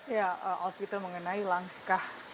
ya alpita mengenai langkah